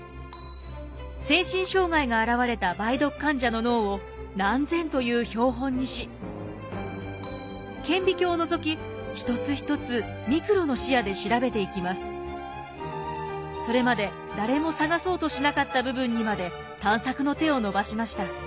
精神障害が現れた梅毒患者の脳を何千という標本にし顕微鏡をのぞきそれまで誰も探そうとしなかった部分にまで探索の手を伸ばしました。